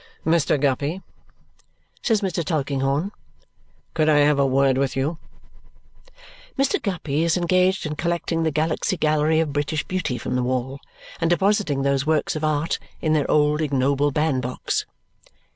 "Mr. Guppy," says Mr. Tulkinghorn, "could I have a word with you?" Mr. Guppy is engaged in collecting the Galaxy Gallery of British Beauty from the wall and depositing those works of art in their old ignoble band box.